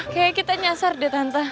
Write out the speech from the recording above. kayaknya kita nyasar deh tante